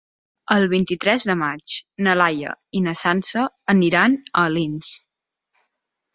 El vint-i-tres de maig na Laia i na Sança aniran a Alins.